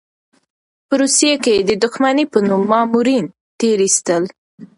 په روسيې کې یې د دښمنۍ په نوم مامورین تېر ایستل.